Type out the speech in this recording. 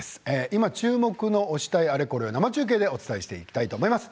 今、注目の推したいあれこれを生中継でお伝えしていきます。